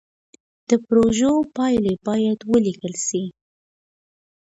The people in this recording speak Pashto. د پروژو پايلې بايد وليکل سي.